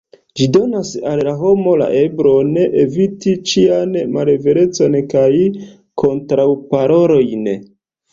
Ĝi donas al la homo la eblon eviti ĉian malverecon kaj kontraŭparolojn.